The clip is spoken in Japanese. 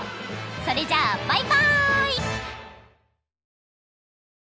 それじゃあバイバイ！